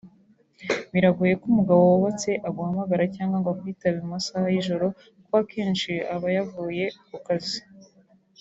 Biragoye ko umugabo wubatse aguhamagara cyangwa ngo akwitabe mu masaha y’ijoro kuko akenshi aba yavuye ku kazi